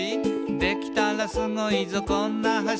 「できたらスゴいぞこんな橋」